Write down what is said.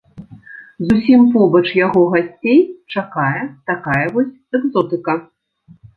Зусім побач яго гасцей чакае такая вось экзотыка.